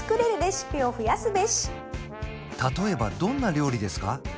例えばどんな料理ですか？